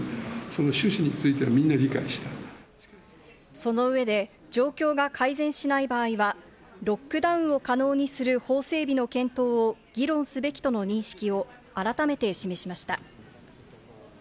その上で状況が改善しない場合は、ロックダウンを可能にする法整備の検討を議論すべきとの認識をあらためて示しました。